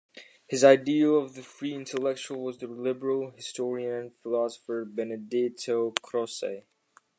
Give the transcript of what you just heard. His ideal of the "free intellectual" was the Liberal historian and philosopher Benedetto Croce.